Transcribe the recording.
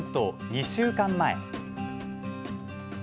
２週間前。